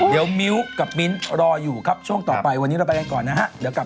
เดี๋ยวกลับบันเย็นนี้เจอกันครับ